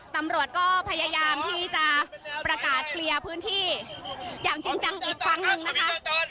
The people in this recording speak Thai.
ตำรวจก็พยายามที่จะประกาศเคลียร์พื้นที่อย่างจริงจังอีกครั้งหนึ่งนะคะ